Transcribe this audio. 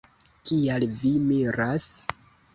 Kial vi miras?